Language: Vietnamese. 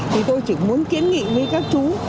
thì tôi chỉ muốn kiến nghị với các chú